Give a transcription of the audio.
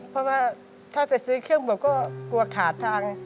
เพราะว่าถ้าจะซื้อเครื่องบกก็กลัวขาดทาง